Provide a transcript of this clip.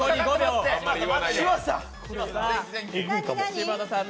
柴田さん！